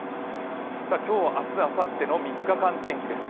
今日、明日、あさっての３日間天気です。